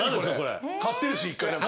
買ってるし１回何か。